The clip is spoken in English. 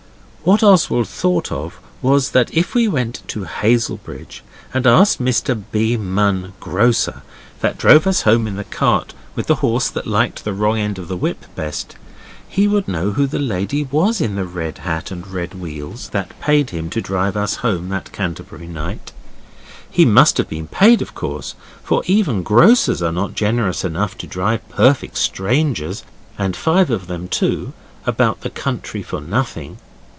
What Oswald thought of was that if we went to Hazelbridge and asked Mr B. Munn, Grocer, that drove us home in the cart with the horse that liked the wrong end of the whip best, he would know who the lady was in the red hat and red wheels that paid him to drive us home that Canterbury night. He must have been paid, of course, for even grocers are not generous enough to drive perfect strangers, and five of them too, about the country for nothing.